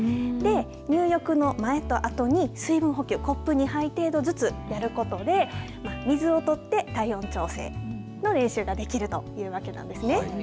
入浴の前とあとに水分補給コップ２杯程度ずつやることで水を取って体温調整の練習ができるというわけなんですね。